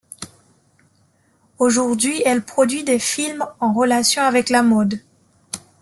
Aujourd'hui, elle produit des films en relation avec la mode.